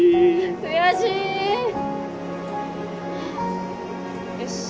悔しい！よし。